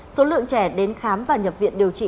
số lượng trẻ đến khám và nhập viện điều trị